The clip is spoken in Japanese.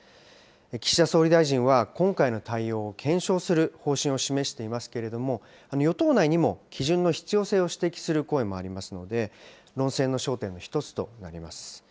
岸田総理大臣は、今回の対応を検証する方針を示していますけれども、与党内にも基準の必要性を指摘する声もありますので、論戦の焦点の一つとなります。